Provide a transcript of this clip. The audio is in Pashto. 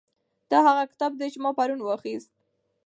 دا هغه کتاب دی چې ما پرون واخیست.